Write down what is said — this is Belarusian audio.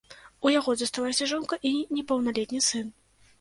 У яго засталася жонка і непаўналетні сын.